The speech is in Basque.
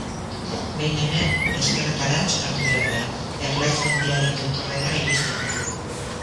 Behin hemen, ezkerretarantz hartu behar da, Erlaitz mendiaren tontorrera iristeko.